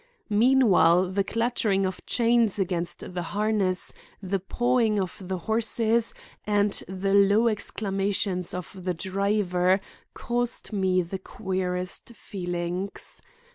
Meanwhile the clattering of chains against the harness, the pawing of the horses and the low exclamations of the driver caused me the queerest feelings.